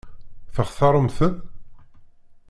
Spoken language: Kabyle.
Textaṛemt-ten?